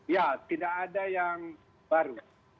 ya tidak ada yang baru